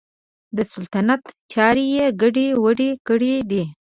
د سلطنت چارې یې ګډې وډې کړي دي.